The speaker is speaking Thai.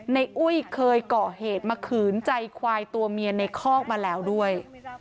อุ้ยเคยก่อเหตุมาขืนใจควายตัวเมียในคอกมาแล้วด้วย